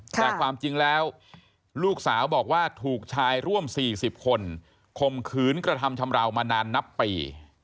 แต่ความจริงแล้วลูกสาวบอกว่าถูกชายร่วม๔๐คนข่มขืนกระทำชำราวมานานนับปี